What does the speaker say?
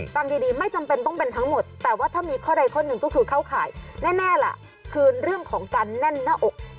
ฟังดีไม่จำเป็นต้องเป็นทั้งหมดแต่ว่าถ้ามีข้อใดข้อหนึ่งก็คือเข้าข่ายแน่ล่ะคือเรื่องของการแน่นหน้าอก